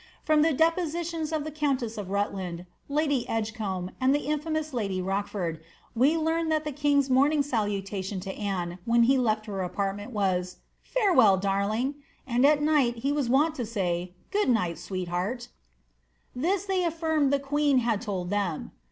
From the depositions of the countess of Rutland, lady Edgecombe, and the infamous lady Rochford, we learn that the king's morning salutation to Anne, when he left her apartment, was ^' Farewell, darling P' and at night he was wont to say, ^ Good night, sweetheart !" This they affirmed the queen had told them.